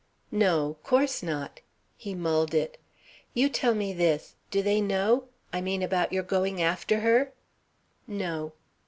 "No. 'Course not." He mulled it. "You tell me this: Do they know? I mean about your going after her?" "No."